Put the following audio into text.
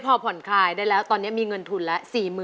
พอผ่อนคลายได้แล้วตอนนี้มีเงินทุนแล้ว